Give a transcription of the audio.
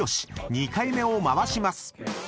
２回目を回します］